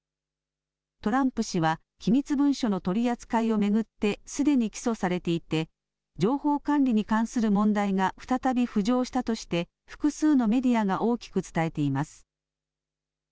トランプ氏は機密文書の取り扱いを巡ってすでに起訴されていて情報管理に関する問題が再び浮上したとして複数のメディアが大きく伝えています。